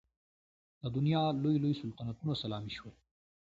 د دنیا لوی لوی سلطنتونه سلامي شول.